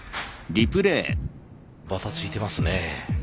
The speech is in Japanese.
ばたついてますね。